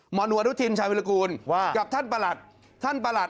หนูอนุทินชายวิรากูลว่ากับท่านประหลัดท่านประหลัด